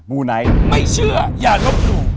ูไนท์ไม่เชื่ออย่าลบหลู่